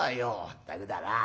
「まったくだな。